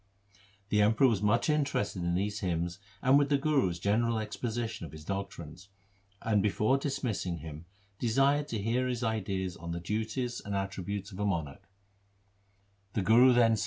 4 The Emperor was much interested in these hymns and with the Guru's general exposition of his doctrines, and before dismissing him desired to hear his ideas on the duties and attributes of 1 Wadhans.